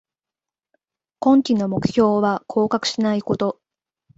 今季の目標は降格しないこと